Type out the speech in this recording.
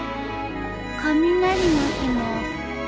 雷の日も。